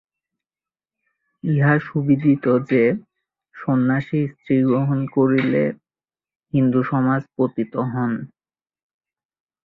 ইহা সুবিদিত যে, সন্ন্যাসী স্ত্রী গ্রহণ করিলে হিন্দুসমাজে পতিত হন।